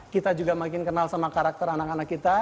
kita juga makin kenal sama karakter anak anak kita